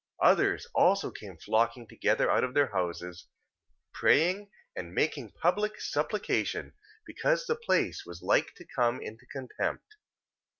3:18. Others also came flocking together out of their houses, praying and making public supplication, because the place was like to come into contempt.